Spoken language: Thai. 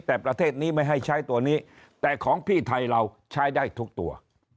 แต่ประเทศนี้ไม่ให้ใช้ตัวนี้แต่ของพี่ไทยเราใช้ได้ทุกตัว